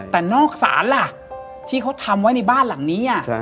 แต่นอกศาลล่ะที่เขาทำไว้ในบ้านหลังนี้